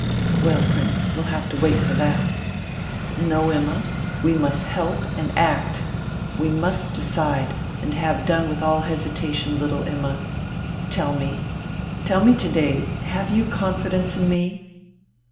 "Well, Prince, we'll have to wait for that." "No, Imma, we must help and act! We must decide, and have done with all hesitation, little Imma! Tell me tell me to day have you confidence in me?"